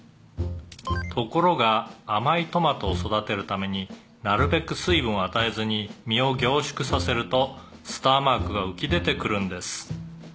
「ところが甘いトマトを育てるためになるべく水分を与えずに実を凝縮させるとスターマークが浮き出てくるんです」